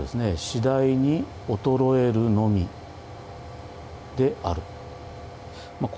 「次第に衰えるのみである」。